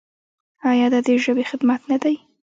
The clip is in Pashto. آیا دا د ژبې خدمت نه دی؟